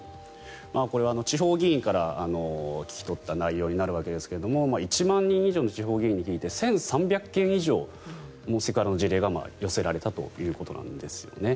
これは地方議員から聞き取った内容になるわけですが１万人以上の地方議員に聞いて１３００件以上セクハラの事例が寄せられたということなんですよね。